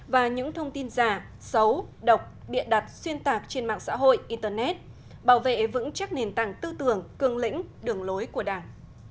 và những thông tin giả xấu độc bịa đặt xuyên tạc trên mạng xã hội internet bảo vệ vững chắc nền tảng tư tưởng cường lĩnh đường lối của đảng